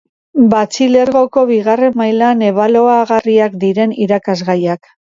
Batxilergoko bigarren mailan ebaluagarriak diren irakasgaiak